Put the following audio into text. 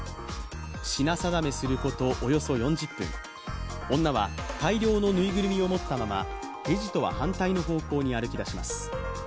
品定めすることおよそ４０分、女は大量のぬいぐるみを持ったままレジとは反対の方向に歩きだします。